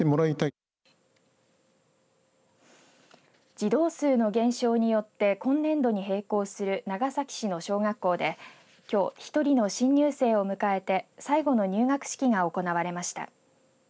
児童数の減少によって今年度に閉校する長崎市の小学校できょう、１人の新入生を迎えて最後の入学式が行われました。